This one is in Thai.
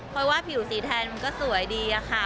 เพราะว่าผิวสีแทนมันก็สวยดีอะค่ะ